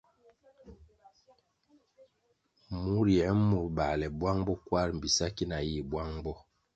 Mur yie mur bale bwang bo kwar bi sa ki na yih bwang bo.